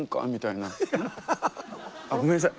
うん？あっごめんなさい。